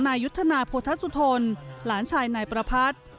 นายยุทธนาพุทธสุธนหลานชายนายประพัทธ์